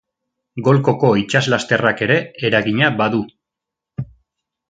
Golkoko itsaslasterrak ere eragina badu.